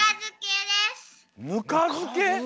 ぬかづけ！？